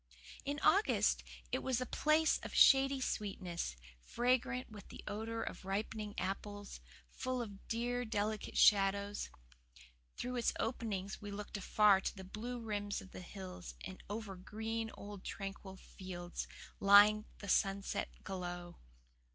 In August it was a place of shady sweetness, fragrant with the odour of ripening apples, full of dear, delicate shadows. Through its openings we looked afar to the blue rims of the hills and over green, old, tranquil fields, lying the sunset glow.